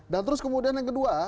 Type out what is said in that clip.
dan terus kemudian yang kedua